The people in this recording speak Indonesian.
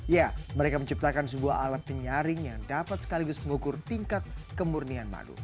ya mereka menciptakan sebuah alat penyaring yang dapat sekaligus mengukur tingkat kemurnian madu